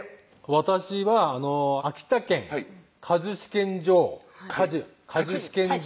私は秋田県果樹試験場果樹試験場